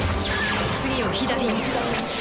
次を左に。